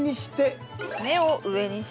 芽を上にして。